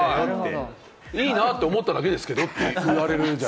いいなと思っただけですけれどって言われることもある。